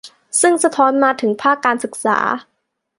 ซึ่งสะท้อนมาถึงภาคการศึกษา